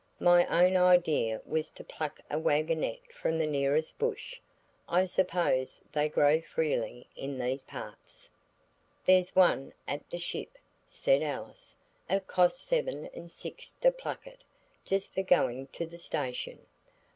My own idea was to pluck a waggonette from the nearest bush. I suppose they grow freely in these parts?" "There's one at the 'Ship,'" said Alice; "it costs seven and six to pluck it, just for going to the station."